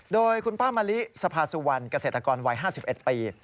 โดยคุณป้ามะลิสภาสุวรรณเกษตรกรวัย๕๑ปี